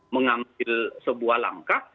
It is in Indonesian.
mengambil sebuah langkah